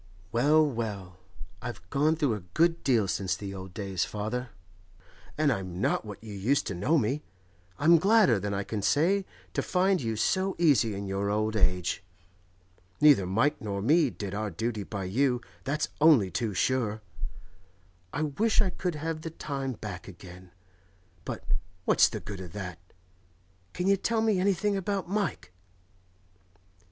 Well, well; I've gone through a good deal since the old days, father, and I'm not what you used to know me. I'm gladder than I can say to find you so easy in your old age. Neither Mike nor me did our duty by you, that's only too sure. I wish I could have the time back again; but what's the good of that? Can you tell me anything about Mike?